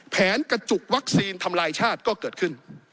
แผนกระจุกวัคซีนทำลายชาติก็เกิดขึ้น